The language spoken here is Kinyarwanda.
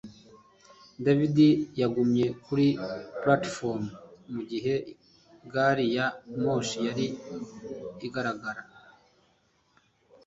david yagumye kuri platifomu mugihe gari ya moshi yari igaragara